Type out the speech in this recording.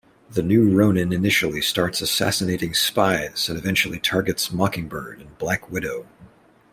The new Ronin initially starts assassinating spies and eventually targets Mockingbird and Black Widow.